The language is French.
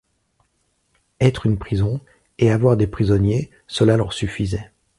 Être une prison, et avoir des prisonniers, cela leur suffisait.